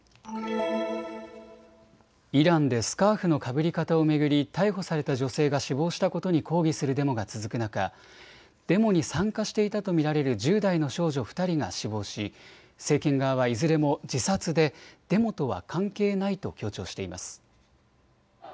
イランでスカーフのかぶり方を巡り、逮捕された女性が死亡したことに抗議するデモが続く中、デモに参加していたと見られる１０代の少女２人が死亡し政権側はいずれも自殺でデモとは関係ないと強調しています。